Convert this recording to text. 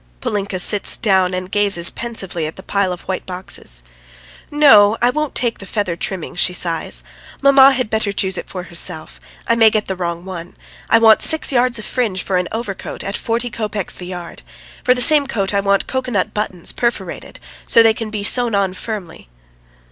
Polinka sits down and gazes pensively at the pile of white boxes. "No, I won't take the feather trimming," she sighs. "Mamma had better choose it for herself; I may get the wrong one. I want six yards of fringe for an overcoat, at forty kopecks the yard. For the same coat I want cocoa nut buttons, perforated, so they can be sown on firmly.